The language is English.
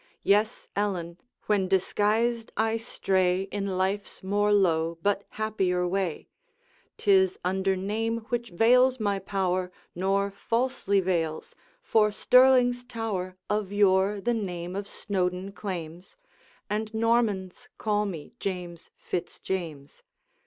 Yes, Ellen, when disguised I stray In life's more low but happier way, 'Tis under name which veils my power Nor falsely veils, for Stirling's tower Of yore the name of Snowdoun claims, And Normans call me James Fitz James.